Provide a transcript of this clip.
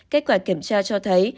kết quả kiểm tra cho thấy